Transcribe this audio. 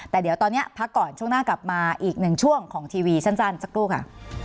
แต่เดี๋ยวตอนนี้พักก่อนช่วงหน้ากลับมาอีกหนึ่งช่วงของทีวีสั้นสักครู่ค่ะ